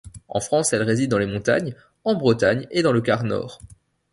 En France, elle réside dans les montagnes, en Bretagne et dans le quart nord.